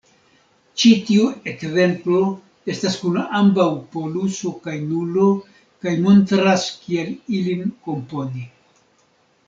Ĉi tiu ekzemplo estas kun ambaŭ poluso kaj nulo kaj montras kiel ilin komponi.